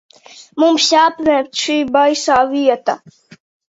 Mums jāpamet šī baisā vieta.